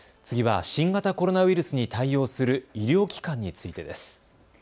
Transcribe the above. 次は新型コロナウイルスに対応する医療機関についてです。